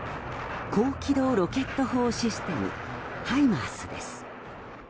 高機動ロケット砲システムハイマースです。